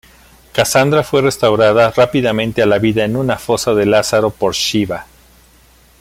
Cassandra fue restaurada rápidamente a la vida en una Fosa de Lázaro por Shiva.